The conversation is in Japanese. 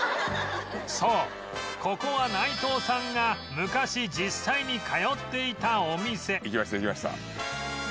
そうここは内藤さんが昔実際に通っていたお店行きました行きました。